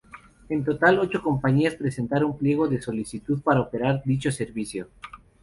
En total ocho compañías presentaron pliego de solicitud para operar dicho servicio.